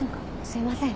すいません。